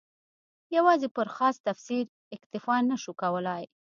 یوازې پر خاص تفسیر اکتفا نه شو کولای.